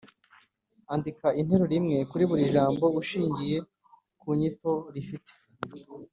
andika interuro imwe kuri buri jambo ushingiye ku nyito rifite